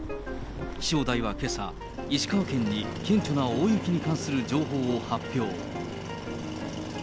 気象台はけさ、石川県に顕著な大雪に関する情報を発表。